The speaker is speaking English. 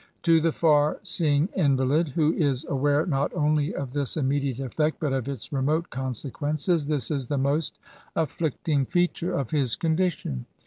To the far seeing invalid, who is aware not only of this immediate effect, but of its remote consequences, this is the most afflicting feature of his condition.